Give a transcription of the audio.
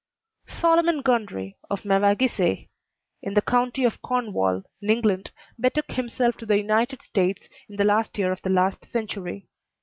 Solomon Gundry, of Mevagissey, in the county of Cornwall, in England, betook himself to the United States in the last year of the last century.